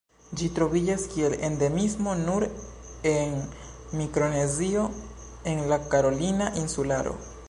Ĝi troviĝas kiel endemismo nur en Mikronezio en la Karolina insularo.